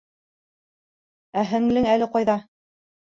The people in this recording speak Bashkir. — Ә һеңлең әле ҡайҙа?